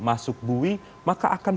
masuk buwi maka akan